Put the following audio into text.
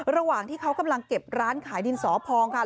ระหว่างที่เขากำลังเก็บร้านขายดินสอพองค่ะ